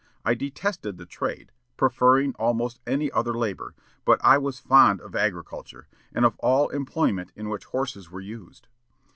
I detested the trade, preferring almost any other labor; but I was fond of agriculture, and of all employment in which horses were used.